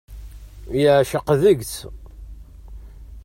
Yeεceq deg-s.